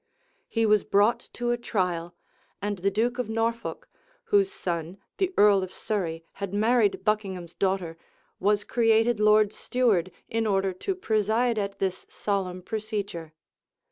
He was brought to a trial; and the duke of Norfolk, whose son, the earl of Surrey, had married Buckingham's daughter, was created lord steward, in order to preside at this solemn procedure.